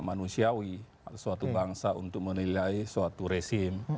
manusiawi suatu bangsa untuk menilai suatu resim